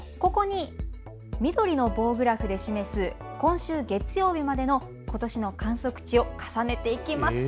ここに緑の棒グラフで示す今週月曜日までのことしの観測値を重ねていくと。